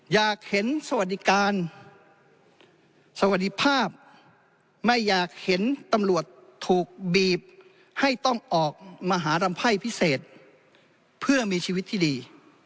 อยากเห็นสวัสดิการสวัสดีภาพไม่อยากเห็นตำรวจถูกบีบให้ต้องออกมาหารำไพ่พิเศษเพื่อมีชีวิตที่ดี